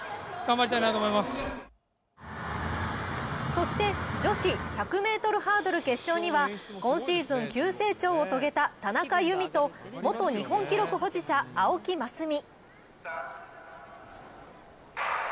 そして女子１００ｍハードル決勝には今シーズン急成長を遂げた田中佑美と元日本記録保持者・青木益未。